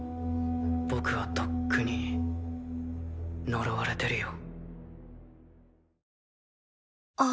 僕はとっくに呪われてるよ。